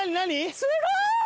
すごい！